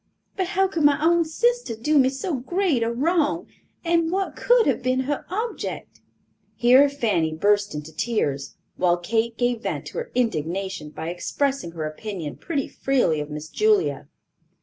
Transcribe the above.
But how could my own sister do me so great a wrong, and what could have been her object?" Here Fanny burst into tears, while Kate gave vent to her indignation by expressing her opinion pretty freely of Miss Julia.